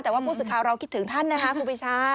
แต่ว่าผู้สื่อข่าวเราคิดถึงท่านนะคะครูปีชา